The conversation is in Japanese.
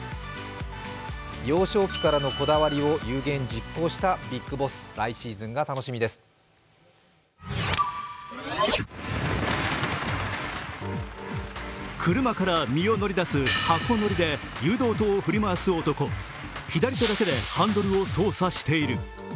幼少期からのこだわりを有言実行したビッグボス、来シーズンが楽し左手だけでハンドルを操作している。